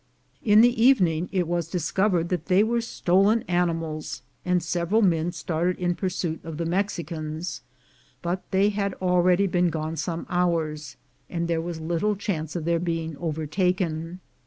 In the evening it was discovered that they were stolen animals, and several men started in pursuit of the Mexicans; but they had already been gone some hours, and there was little chance of their being overtaken.